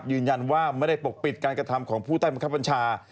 ยืนยันว่าไม่ได้ปกปิดการกระทำของผู้ใต้บังคับบัญชา